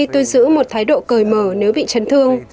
tôi giữ một thái độ cởi mở nếu bị chấn thương